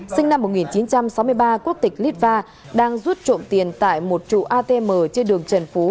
sinh năm một nghìn chín trăm sáu mươi ba quốc tịch litva đang rút trộm tiền tại một trụ atm trên đường trần phú